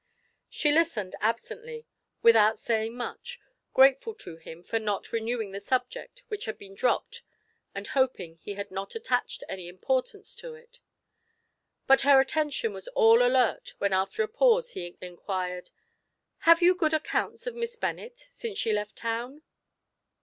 She listened absently, without saying much, grateful to him for not renewing the subject which had just been dropped and hoping he had not attached any importance to it; but her attention was all alert when after a pause he inquired: "Have you good accounts of Miss Bennet since she left town?"